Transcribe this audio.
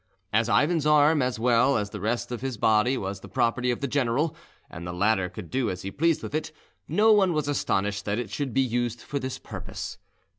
As Ivan's arm as well as the rest of his body was the property of the general, and the latter could do as he pleased with it, no one was astonished that it should be used for this purpose.